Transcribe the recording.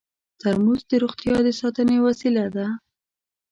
ترموز د روغتیا د ساتنې وسیله ده.